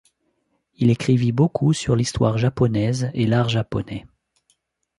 Il écrivit beaucoup sur l'histoire japonaise et l'art japonais.